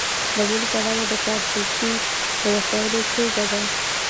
له بله پلوه د کار توکي د وسایلو ټولګه ده.